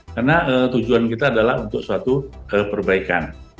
karena tujuan kita adalah untuk suatu perbaikan